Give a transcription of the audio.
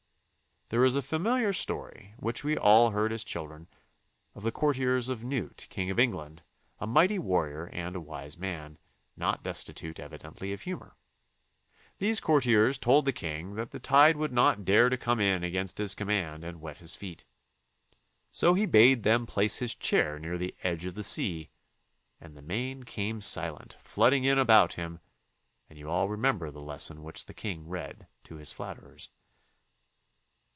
There is a familiar story, which we all heard as chil dren, of the courtiers of Knut, King of England, a mighty warrior and a wise man, not destitute evidently of humor. These courtiers told the King that the THE CONSTITUTION AND ITS MAKERS 85 tide would not dare to come in against his command and wet his feet. So he bade them place his chair near the edge of the sea and the main came silent, flooding in about him, and you all remember the lesson which the King read to his flatterers.